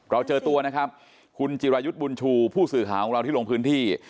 เจอตัวนะครับคุณจิรายุทธ์บุญชูผู้สื่อข่าวของเราที่ลงพื้นที่